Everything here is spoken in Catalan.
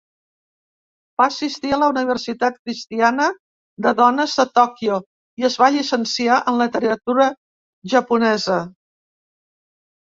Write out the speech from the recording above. Va assistir a la Universitat cristiana de dones de Tòquio i es va llicenciar en literatura japonesa.